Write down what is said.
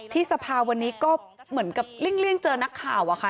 สภาวันนี้ก็เหมือนกับเลี่ยงเจอนักข่าวอะค่ะ